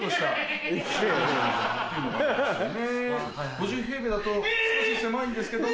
５０平米だと少し狭いんですけど。